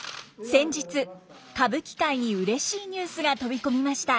先日歌舞伎界にうれしいニュースが飛び込みました。